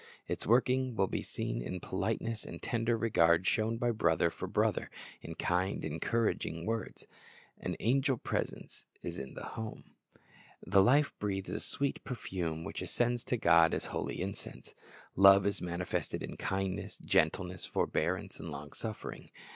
Its working will be seen in politeness and tender regard shown by brother for brother, in kind, encouraging words. An angel presence is in the home. The life breathes a sweet perfume, which ascends to God as holy incense. Love is manifested in kindness, gentleness, forbearance, and long suffering.